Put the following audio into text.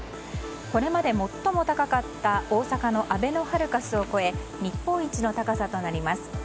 これまで最も高かった大阪のあべのハルカスを超え日本一の高さとなります。